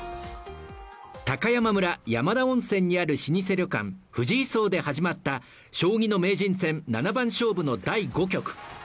高山村山田温泉にある老舗旅館藤井荘で始まった将棋の名人戦七番勝負の第５局。